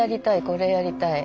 これやりたい。